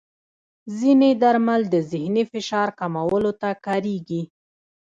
ځینې درمل د ذهني فشار کمولو ته کارېږي.